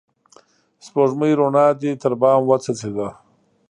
سپوږمۍ روڼا دي تر بام وڅڅيده